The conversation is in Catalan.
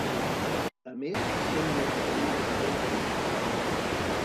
A més cent noranta-un residents han mort.